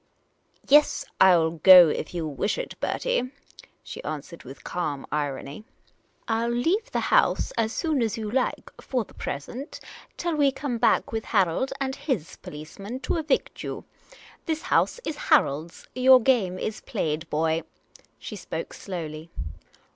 " Yes, I '11 go if you wish it, Bertie," she answered, with calm irony. "I '11 33^ Miss Cayley's Adventures leave the house as soon as you like — for the present — till we come back again with Harold and /;« policemen to evict you. This house is Harold's. Your game is played, boy." She spoke slowly.